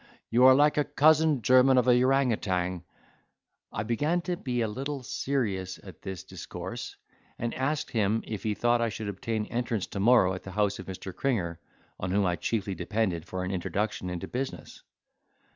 you are like a cousin german of an ourangoutang." I began to be a little serious at this discourse, and asked him, if he thought I should obtain entrance to morrow at the house of Mr. Cringer, on whom I chiefly depended for an introduction into business?